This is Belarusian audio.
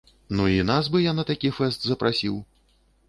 Ну і нас бы я на такі фэст запрасіў!